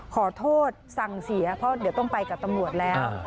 ขอโทษสั่งเสียเพราะเดี๋ยวต้องไปกับตำรวจแล้ว